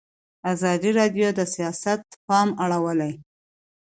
ازادي راډیو د سیاست ته پام اړولی.